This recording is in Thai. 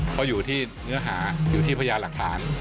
เพราะอยู่ที่เนื้อหาอยู่ที่พยานหลักฐาน